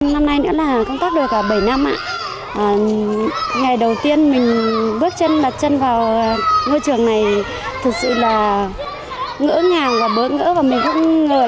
năm nay nữa là công tác đôi cả bảy năm ạ ngày đầu tiên mình bước chân bật chân vào ngôi trường này thật sự là ngỡ nhàng và bớt ngỡ